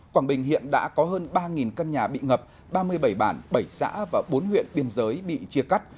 quảng bình hiện đã có hơn ba căn nhà bị ngập ba mươi bảy bản bảy xã và bốn huyện biên giới bị chia cắt